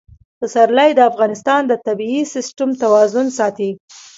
پسرلی د افغانستان د طبعي سیسټم توازن ساتي.